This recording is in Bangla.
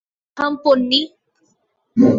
থাম, পোন্নি।